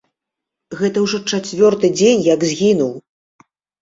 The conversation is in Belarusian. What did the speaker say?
Гэта ўжо чацвёрты дзень, як згінуў.